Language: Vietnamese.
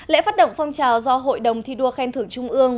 lễ phát động phong trào do hội đồng thi đua khen thưởng trung ương